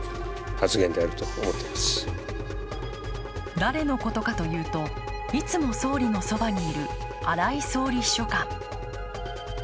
誰のことかというと、いつも総理のそばにいる荒井総理秘書官。